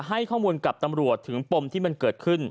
ให้ข้อมูลกับตำรวจถึงปมที่มันเกิดขึ้น